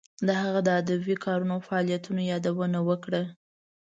د هغه د ادبی کارونو او فعالیتونو یادونه کړه.